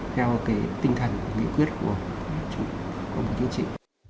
theo tinh thần nghĩa quyết của công ty chính trị